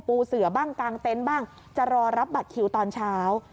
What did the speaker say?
เสือบ้างกางเต็นต์บ้างจะรอรับบัตรคิวตอนเช้า